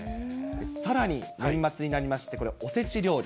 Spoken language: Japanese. さらに、年末になりまして、おせち料理。